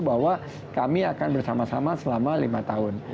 bahwa kami akan bersama sama selama lima tahun